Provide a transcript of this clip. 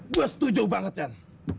gua setuju banget jan